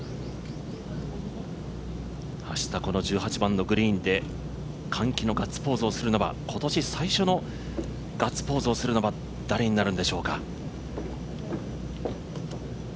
明日この１８番のグリーンで歓喜のガッツポーズをするのは今年最初のガッツポーズをするのは誰になるんでしょうか。